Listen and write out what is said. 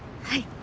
はい。